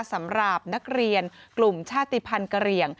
สำหรับนักเรียนกลุ่มชาติภัณฑ์กะเหลี่ยง